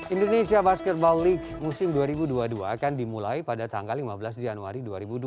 indonesia basketball league musim dua ribu dua puluh dua akan dimulai pada tanggal lima belas januari dua ribu dua puluh